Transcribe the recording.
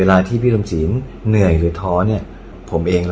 แล้ววันนี้ผมมีสิ่งหนึ่งนะครับเป็นตัวแทนกำลังใจจากผมเล็กน้อยครับ